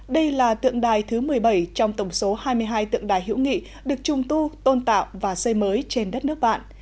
đây là tượng đài thứ một mươi bảy trong tổng số hai mươi hai tượng đài hữu nghị được trung tu tôn tạo và xây mới trên đất nước bạn